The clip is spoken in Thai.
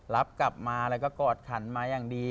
รับกลับมาแล้วก็กอดขันมาอย่างดี